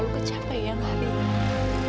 mungkin seharian itu aku batas lubangnya